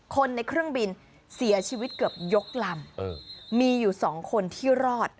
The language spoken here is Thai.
คนในเครื่องบินเสียชีวิตเกือบยกลำมีอยู่สองคนที่รอด